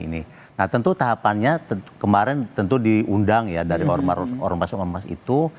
nah tentu tahapannya kemarin tentu diundang ya dari ormas ormas itu